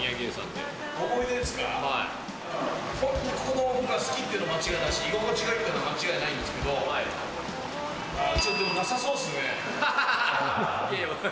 本当、ここのお風呂が好きっていうのは間違いないし、居心地がいいっていうのも間違いないんですけど、ちょっとなさそうですね。